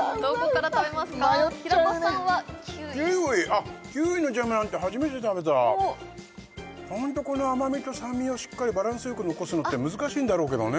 あっキウイのジャムなんて初めて食べたホントこの甘みと酸味をしっかりバランスよく残すのって難しいんだろうけどね